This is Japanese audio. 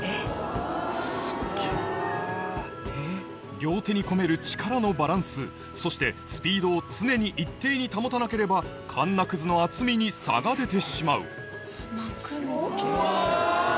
両手に込める力のバランスそしてスピードを常に一定に保たなければかんなくずの厚みに差が出てしまううわ。